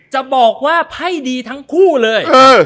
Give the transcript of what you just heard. จะบอกว่าไพ่ดีทั้งคู่เลย